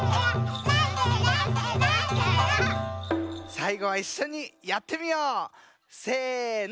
さいごはいっしょにやってみよう！せの！